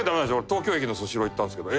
東京駅のスシロー行ったんですけど。